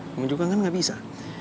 kamu juga kan nggak bisa